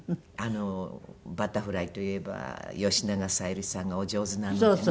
バタフライといえば吉永小百合さんがお上手なのでね。